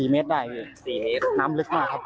๔เมตรได้๔เมตรน้ำลึกมากครับ